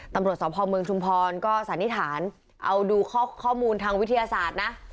ตำรวจสพเมืองชุมพรก็สันนิษฐานเอาดูข้อมูลทางวิทยาศาสตร์นะ